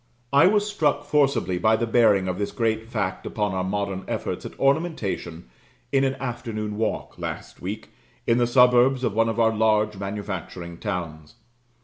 I was struck forcibly by the bearing of this great fact upon our modern efforts at ornamentation in an afternoon walk, last week, in the suburbs of one of our large manufacturing towns.